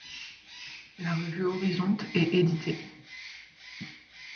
La revue Horizonte est éditée.